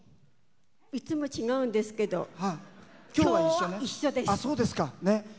いつも違うんですけどきょうは一緒です。